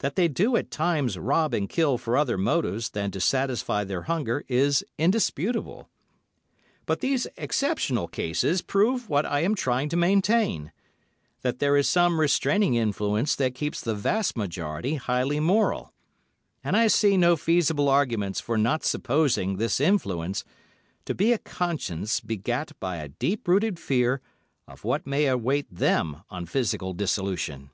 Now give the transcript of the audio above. That they do at times rob and kill for other motives than to satisfy their hunger is indisputable, but these exceptional cases prove what I am trying to maintain—that there is some restraining influence that keeps the vast majority highly moral; and I see no feasible arguments for not supposing this influence to be a conscience begat by a deep rooted fear of what may await them on physical dissolution.